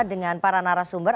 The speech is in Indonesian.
dengan para narasumber